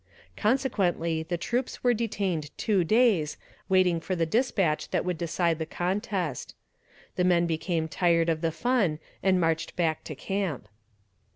Consequently the troops were detained two days waiting for the despatch that would decide the contest. The men became tired of the fun and marched back to camp.